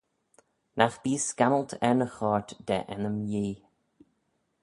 Nagh bee scammylt er ny choyrt da ennym Yee.